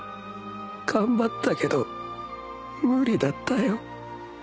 頑張ったけど無理だったよ